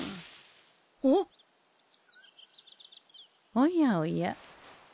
おやおや。